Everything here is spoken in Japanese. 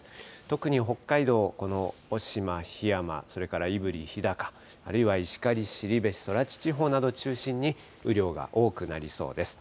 特に、北海道、このおしま、桧山、それから胆振、日高、あるいは石狩、後志、そらち地方などを中心に、雨量が多くなりそうです。